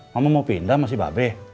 mama mau pindah sama si babe